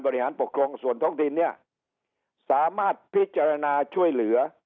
ปกครองส่วนท้องถิ่นเนี่ยสามารถพิจารณาช่วยเหลือ